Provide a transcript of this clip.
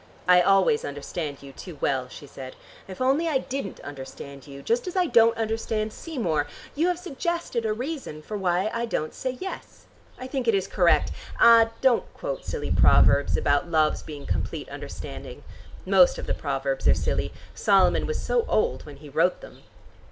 "I always understand you too well," she said. "If only I didn't understand you, just as I don't understand Seymour, you have suggested a reason for why I don't say 'yes.' I think it is correct. Ah, don't quote silly proverbs about love's being complete understanding. Most of the proverbs are silly; Solomon was so old when he wrote them."